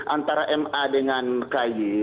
antara ma dengan ky